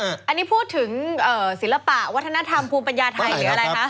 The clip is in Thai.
อันนี้พูดถึงศิลปะวัฒนธรรมภูมิปัญญาไทยหรืออะไรคะ